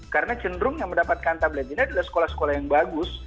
karena cenderung yang mendapatkan tablet ini adalah sekolah sekolah yang bagus